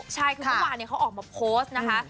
ใช่คือเมื่อวานเขาออกมาโพสต์นะคะ